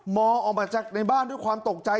องออกมาจากในบ้านด้วยความตกใจ